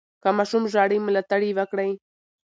که ماشوم ژاړي، ملاتړ یې وکړئ.